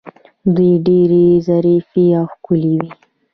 دوی ډیرې ظریفې او ښکلې وې